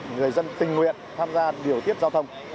người dân tình nguyện tham gia điều tiết giao thông